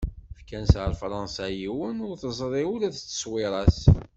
Fkan-tt ɣer Fransa i yiwen, ur teẓri ula d tteṣwira-s.